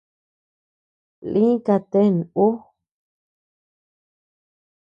Lï ka ten ú.